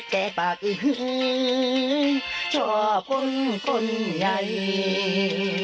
แก่ปากชอบคนใหญ่